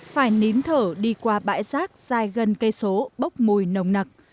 phải nín thở đi qua bãi rác dài gần cây số bốc mùi nồng nặc